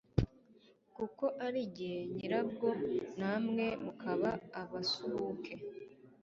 kuko ari jye nyirabwo namwe mukaba abasuhuke